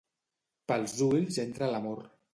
Pels ulls entra l'amor.